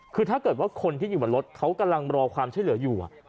คือถ้าเกิดว่าคนที่อยู่บนรถเขากำลังรอความช่วยเหลืออยู่